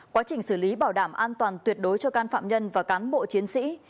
quá trình xử lý bảo đảm an toàn tuyệt đối cho can phạm nhân và cán bộ chiến sĩ